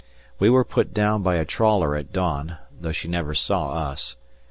We were put down by a trawler at dawn, though she never saw us.